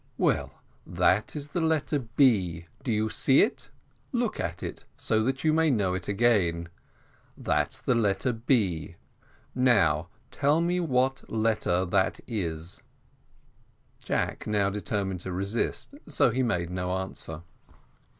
"Well, that is the letter B. Do you see it? Look at it, so that you may know it again. That's the letter B. Now tell me what that letter is." Jack now determined to resist, so he made no answer.